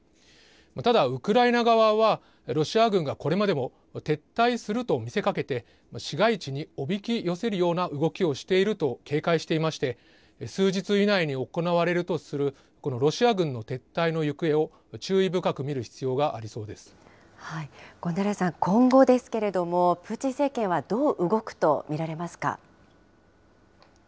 ただ、ウクライナ側は、ロシア軍がこれまでも撤退すると見せかけて、市街地におびき寄せるような動きをしていると警戒していまして、数日以内に行われるとするこのロシア軍の撤退の行方を、権平さん、今後ですけれども、プーチン政権はどう動くと見られますか。